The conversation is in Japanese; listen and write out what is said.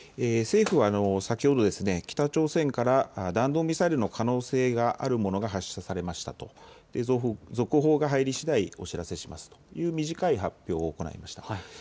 政府は先ほど北朝鮮から弾道ミサイルの可能性があるものが発射されましたと続報が入りしだいお知らせしますという短い発表を行いました。